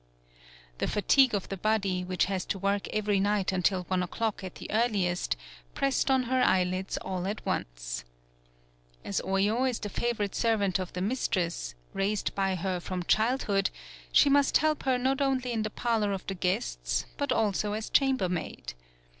The fatigue of the body, which has to work every night until one o'clock at the earliest, pressed on her eyelids all at once. As Oyo is the favorite servant of the mistress, raised by her from child hood, she must help her not only in the parlor of the guests, but also as cham bermaid.